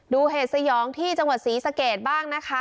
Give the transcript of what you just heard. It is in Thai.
ดูเหตุสยองที่จังหวัดศรีสะเกดบ้างนะคะ